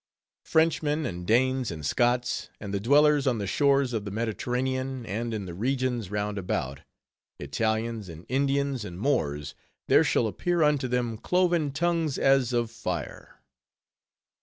Frenchmen, and Danes, and Scots; and the dwellers on the shores of the Mediterranean, and in the regions round about; Italians, and Indians, and Moors; there shall appear unto them cloven tongues as of fire.